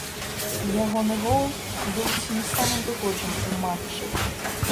Ягоны гол быў ці не самым прыгожым у матчы.